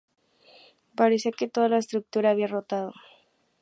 Parecía que toda la estructura había rotado.